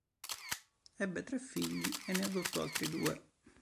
Ebbe tre figli e ne adottò altri due.